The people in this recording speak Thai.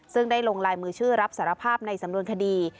ซึ่งได้ลงลายมือชื่อรับสารภาพในสำนวนคดี